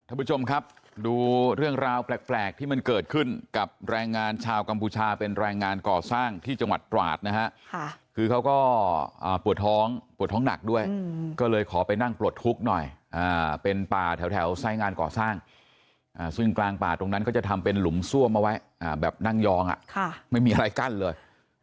ท่านผู้ชมครับดูเรื่องราวแปลกที่มันเกิดขึ้นกับแรงงานชาวกัมพูชาเป็นแรงงานก่อสร้างที่จังหวัดตราดนะฮะคือเขาก็ปวดท้องปวดท้องหนักด้วยก็เลยขอไปนั่งปลดทุกข์หน่อยเป็นป่าแถวไซส์งานก่อสร้างซึ่งกลางป่าตรงนั้นเขาจะทำเป็นหลุมซ่วมเอาไว้แบบนั่งยองไม่มีอะไรกั้นเลย